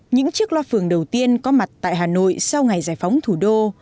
những chiếc loa phường đầu tiên có mặt tại hà nội sau ngày giải phóng thủ đô